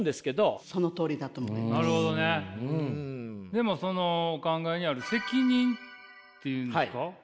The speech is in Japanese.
でもお考えにある「責任」って言うんですか？